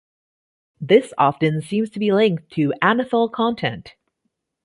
This often seems to be linked to anethol content.